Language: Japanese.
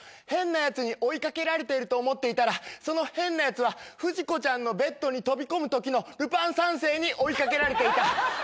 変なやつに追い掛けられてると思ってたらその変なやつは不二子ちゃんのベッドに飛び込むときのルパン三世に追い掛けられていた。